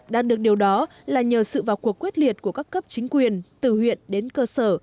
đạt được điều đó là nhờ sự vào cuộc quyết liệt của các cấp chính quyền từ huyện đến cơ sở